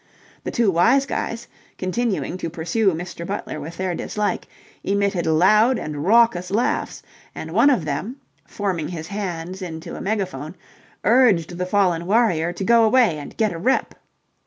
The two wise guys, continuing to pursue Mr. Butler with their dislike, emitted loud and raucous laughs, and one of them, forming his hands into a megaphone, urged the fallen warrior to go away and get a rep.